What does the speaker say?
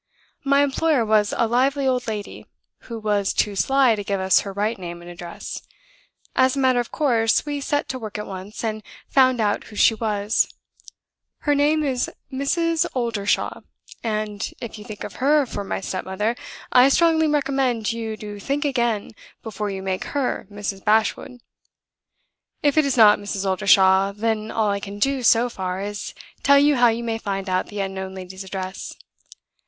My employer was a lively old lady, who was too sly to give us her right name and address. As a matter of course, we set to work at once, and found out who she was. Her name is Mrs. Oldershaw; and, if you think of her for my stepmother, I strongly recommend you to think again before you make her Mrs. Bashwood. "If it is not Mrs. Oldershaw, then all I can do, so far, is to tell you how you may find out the unknown lady's address.